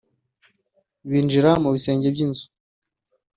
binjira mu bisenge byinzu